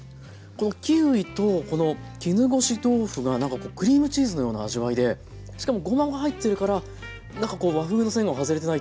このキウイとこの絹ごし豆腐がなんかクリームチーズのような味わいでしかもごまが入ってるからなんか和風の線は外れてないというか。